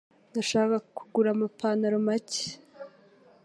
Ndashaka kugura amapantaro make.